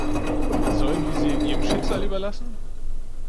Sollen wir sie ihrem Schicksal überlassen?